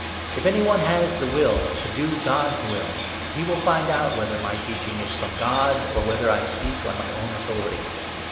If 17 any one has the will to do God's will, he will find out whether my teaching is from God, or whether I speak on my own authority.